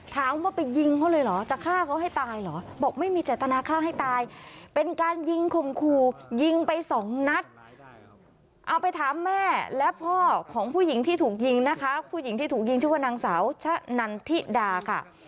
ถามว่าไปยิงเขาเลยเหรอจะฆ่าเขาให้ตายเหรอบอกไม่มีเจตนาฆ่าให้ตายเป็นการยิงขมครูยิงไปสองนัดเอาไปถามแม่และพ่อของผู้หญิงที่ถูกยิงนะคะผู้หญิงที่ถูกยิงชื่อว่านางสาวชะนันทิดาค่ะ